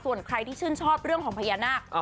ส่วนใครที่ชื่นชอบเรื่องของพญานาค